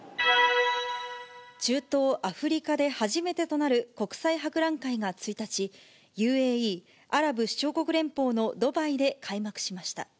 中東、アフリカで初めてとなる国際博覧会が１日、ＵＡＥ・アラブ首長国連邦のドバイで開幕しました。